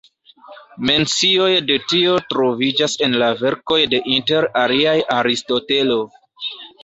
Mencioj de tio troviĝas en la verkoj de inter aliaj Aristotelo.